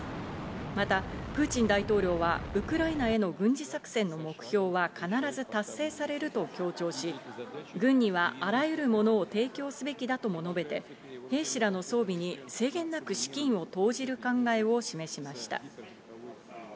またプーチン大統領はウクライナへの軍事作戦の目標は必ず達成されると強調し、軍にはあらゆるものを提供すべきだとも述べて、兵士らの装備に制限なく資金を投じる考えを示しました。